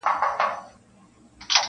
• چي د دواړو په شعرونو کي -